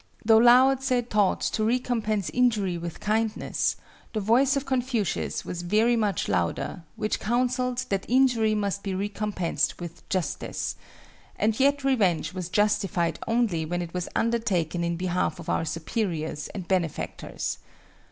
Though Lao tse taught to recompense injury with kindness, the voice of Confucius was very much louder, which counselled that injury must be recompensed with justice;—and yet revenge was justified only when it was undertaken in behalf of our superiors and benefactors.